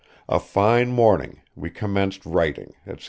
a fine morning we commenced wrighting, &c."